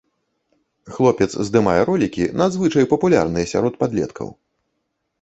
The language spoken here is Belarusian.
Хлопец здымае ролікі, надзвычай папулярныя сярод падлеткаў.